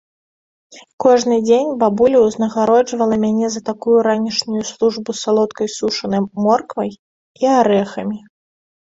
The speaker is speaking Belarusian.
Кожны дзень бабуля ўзнагароджвала мяне за такую ранішнюю службу салодкай сушанай морквай і арэхамі.